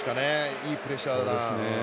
いいプレッシャーだな。